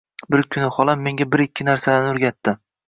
Bir kuni holam menga bir-ikki narsalarni o'rgatdi.